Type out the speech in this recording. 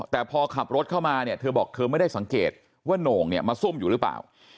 แต่พอขับรถเข้ามาเนี่ยเธอบอกเธอไม่ได้สังเกตว่าโหน่งเนี่ยมาซุ่มอยู่หรือเปล่า